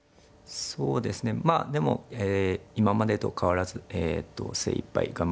そうですねまあでも今までと変わらずえと精いっぱい頑張りたいと思います。